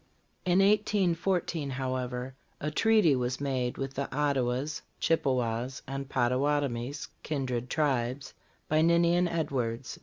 In 1814, however, a treaty was made with the Ottawas, Chippewas and Pottawatomies, kindred tribes, by Ninian Edwards.